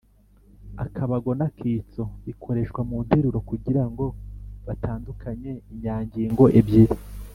akabago n‟akitso : bikoreshwa mu nteruro kugira ngo batandukanye inyangingo ebyiri